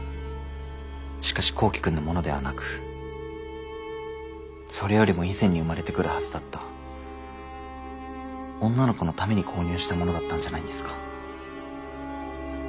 しかし幸希くんのものではなくそれよりも以前に生まれてくるはずだった女の子のために購入したものだったんじゃないんですか？